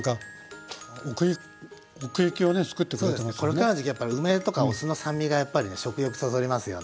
これからの時期やっぱり梅とかお酢の酸味が食欲そそりますよね。